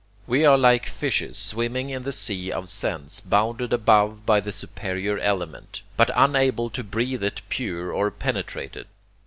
We are like fishes swimming in the sea of sense, bounded above by the superior element, but unable to breathe it pure or penetrate it.